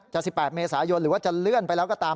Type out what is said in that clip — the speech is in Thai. ๑๘เมษายนหรือว่าจะเลื่อนไปแล้วก็ตาม